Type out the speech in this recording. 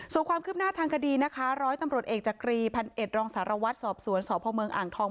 ส่วนความคืบหน้าทางคดีนะคะร้อยตำรวจเอกจักรีพันเอ็ดรองสารวัตรสอบสวนสพเมืองอ่างทอง